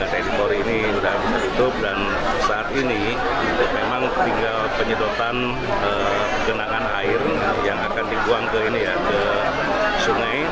tni polri ini sudah bisa ditutup dan saat ini memang tinggal penyedotan genangan air yang akan dibuang ke ini ya ke sungai